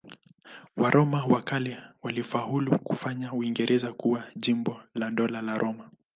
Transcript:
Waroma wa kale walifaulu kufanya Uingereza kuwa jimbo la Dola la Roma.